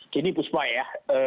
jadi ibu sma ya